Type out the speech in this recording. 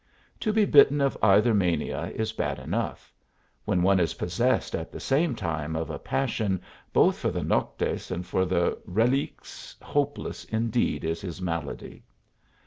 To be bitten of either mania is bad enough; when one is possessed at the same time of a passion both for the Noctes and for the Reliques hopeless indeed is his malady!